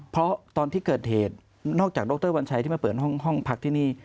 เพราะตอนที่เกิดเหตุนอกจากดรวัญชัยที่มาเปิดห้องพักที่นี่